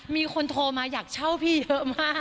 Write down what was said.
มีคนโทรมาอยากเช่าพี่เยอะมาก